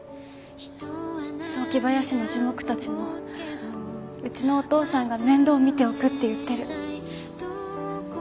雑木林の樹木たちもうちのお父さんが面倒見ておくって言ってる。